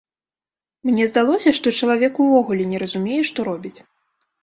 Мне здалося, што чалавек увогуле не разумее, што робіць.